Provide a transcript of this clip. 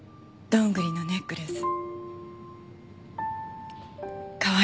どんぐりのネックレス。